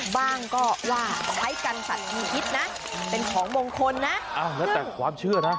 บ้างก็ลาดให้กันสัตว์มีพิษนะเป็นของมงคลนะ